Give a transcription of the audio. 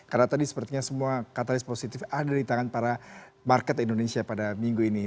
karena tadi sepertinya semua katalis positif ada di tangan para market indonesia pada minggu ini